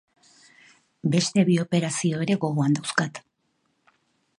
Beste bi operazione ere gogoan dauzkat.